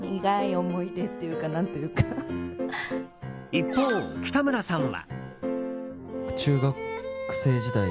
一方、北村さんは。